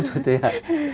ôi trời thế à